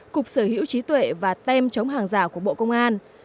cục sở hữu trí tuệ và tem chống hàng giả của bộ công an